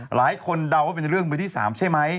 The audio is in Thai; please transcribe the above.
หลายคนเดาว่าเป็นเรื่องมือที่๓ใช่ไหม